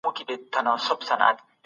موږ باید د سیاست پوهنې اصول په دقت ولولو.